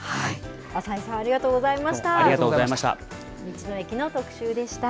浅井さん、ありがとうございました。